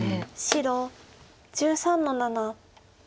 白１３の七。